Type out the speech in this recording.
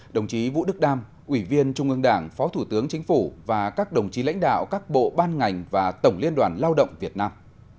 đồng chí vũ đức đam ủy viên trung ương đảng phó thủ tướng chính phủ và các đồng chí lãnh đạo các bộ ban ngành và tổng liên đoàn lao động việt nam